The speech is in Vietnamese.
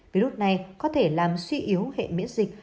virus này có thể làm suy yếu hệ miễn dịch